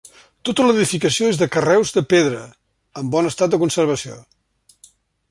Tota l'edificació és de carreus de pedra, en bon estat de conservació.